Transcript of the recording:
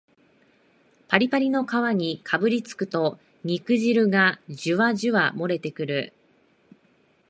パリパリの皮にかぶりつくと肉汁がジュワジュワもれてくる